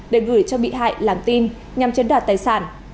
để gửi cho bị hại làm tin nhằm chiếm đoạt tài sản